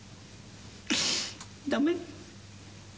駄目？